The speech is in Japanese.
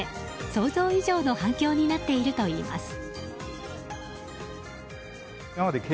想像以上の反響になっているといいます。